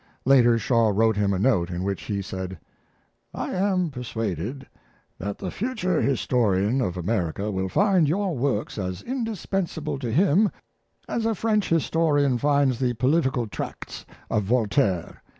Later Shaw wrote him a note, in which he said: I am persuaded that the future historian of America will find your works as indispensable to him as a French historian finds the political tracts of Voltaire.